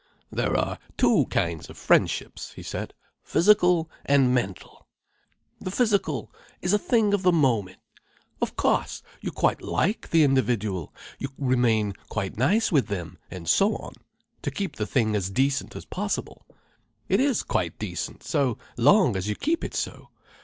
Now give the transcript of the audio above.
"There are two kinds of friendships," he said, "physical and mental. The physical is a thing of the moment. Of cauce you quite like the individual, you remain quite nice with them, and so on,—to keep the thing as decent as possible. It is quite decent, so long as you keep it so.